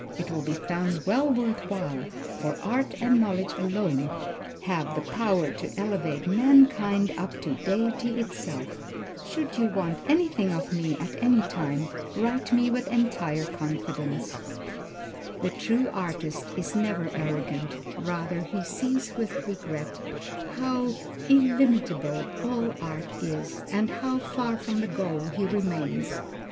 It will be found well worth while, for art and knowledge alone have the power to elevate mankind up to Deity itself. Should you want anything of me at any time, write me with entire confidence. The true artist is never arrogant; rather he sees with regret how illimitable all art is, and how far from the goal he remains.